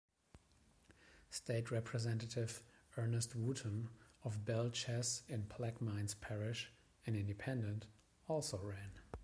State Representative Ernest Wooton of Belle Chasse in Plaquemines Parish, an Independent, also ran.